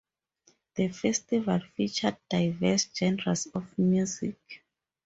The festival featured diverse genres of music.